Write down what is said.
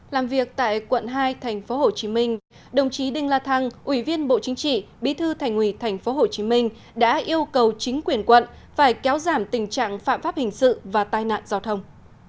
làm việc tại quận hai tp hcm đồng chí đinh la thăng ủy viên bộ chính trị bí thư thành ủy tp hcm đã yêu cầu chính quyền quận phải kéo giảm tình trạng phạm pháp hình sự và tai nạn giao thông